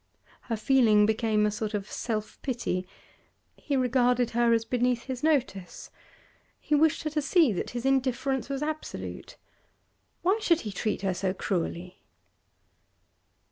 Her feeling became a sort of self pity; he regarded her as beneath his notice, he wished her to see that his indifference was absolute; why should he treat her so cruelly?